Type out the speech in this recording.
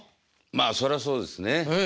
まあそらそうですね。